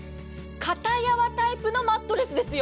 肩やわタイプのマットレスですよ。